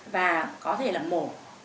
và có thể là mổ